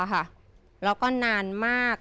แล้วก็นานมาก